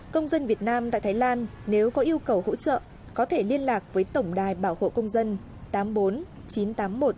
công dân việt nam tại thái lan nếu có yêu cầu hỗ trợ có thể liên lạc với tổng đài bảo hộ công dân tám mươi bốn chín trăm tám mươi một tám trăm bốn mươi tám nghìn bốn trăm tám mươi bốn